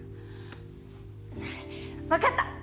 わかった！